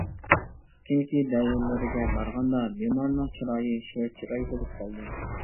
كېيىنكى دەۋرلىرىگە بارغاندا بىمارنىڭ چىرايى شىر چىراي بولۇپ قالىدۇ.